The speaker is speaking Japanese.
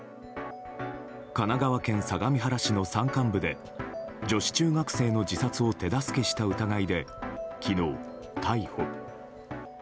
神奈川県相模原市の山間部で女子中学生の自殺を手助けした疑いで昨日、逮捕。